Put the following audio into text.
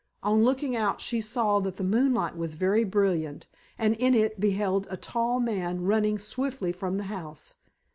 On looking out she saw that the moonlight was very brilliant, and in it beheld a tall man running swiftly from the house.